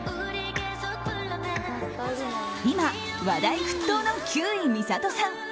今、話題沸騰の休井美郷さん。